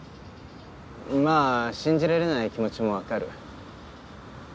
まぁ信じられない気持ちも分かる。